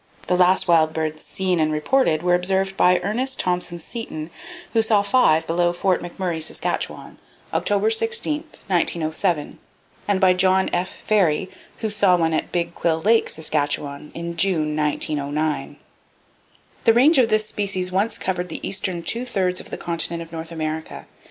The last wild birds seen and reported were observed by Ernest Thompson Seton, who saw five below Fort McMurray, Saskatchewan, October 16th, 1907, and by John F. Ferry, who saw one at Big Quill Lake, Saskatchewan, in June, 1909. The range of this species once covered the eastern two thirds of the continent of North America.